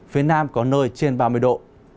phía nam có nơi trên ba mươi độ